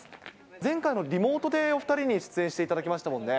前回のリモートでお２人に出演していただきましたもんね。